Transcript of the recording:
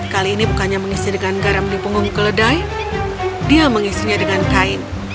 kali ini bukannya mengisi dengan garam di punggung keledai dia mengisinya dengan kain